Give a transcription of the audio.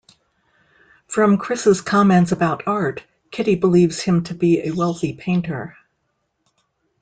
From Chris's comments about art, Kitty believes him to be a wealthy painter.